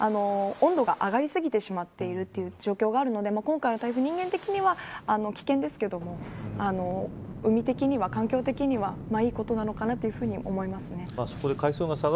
イコール温度が上がり過ぎてしまっているという状況があるので今回の台風人間的には危険ですけども海的には、環境的にはいいことなのかなというふうにも思います。